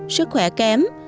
sức khỏe kém